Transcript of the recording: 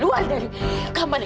luar dari kamar ini